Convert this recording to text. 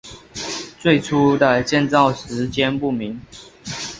最初的建造时间不明。